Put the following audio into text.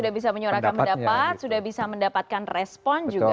sudah bisa menyurahkan pendapat sudah bisa mendapatkan respon juga